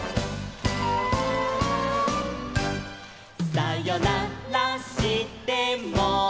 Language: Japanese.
「さよならしても」